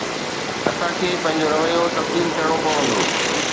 اسان کي پنهنجو رويو تبديل ڪرڻو پوندو.